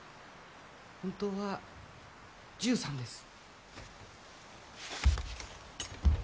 本当は１３です。